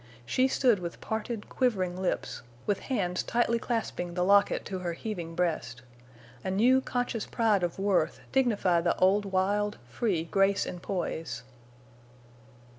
She stood with parted, quivering lips, with hands tightly clasping the locket to her heaving breast. A new conscious pride of worth dignified the old wild, free grace and poise.